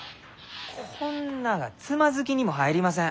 こんながつまずきにも入りません。